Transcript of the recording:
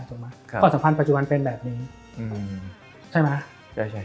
ถูกไหมความสัมพันธ์ปัจจุบันเป็นแบบนี้ใช่ไหม